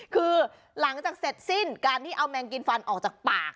คือหลังจากเสร็จสิ้นการที่เอาแมงกินฟันออกจากปาก